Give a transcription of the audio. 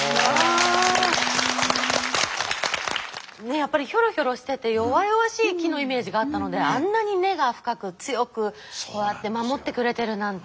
やっぱりひょろひょろしてて弱々しい木のイメージがあったのであんなに根が深く強くこうやって守ってくれてるなんて。